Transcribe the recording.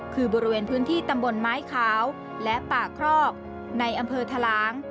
คือบริเวณพื้นที่ตำบลไม้ขาวและป่าครอกในอำเภอทะลาง